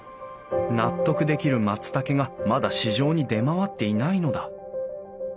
納得できる松たけがまだ市場に出回っていないのだ。